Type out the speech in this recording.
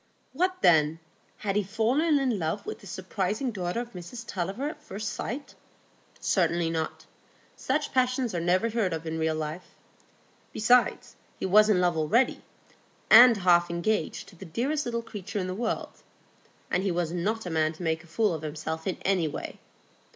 What then? Had he fallen in love with this surprising daughter of Mrs Tulliver at first sight? Certainly not. Such passions are never heard of in real life. Besides, he was in love already, and half engaged to the dearest little creature in the world; and he was not a man to make a fool of himself in any way.